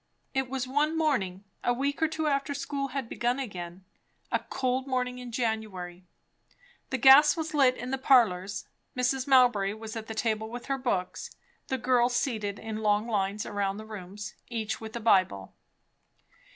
It was one morning a week or two after school had begun again; a cold morning in January. The gas was lit in the parlours; Mrs. Mowbray was at the table with her books; the girls seated in long lines around the rooms, each with a Bible.